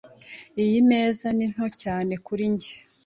Iyi meza ni nto cyane kuri njye.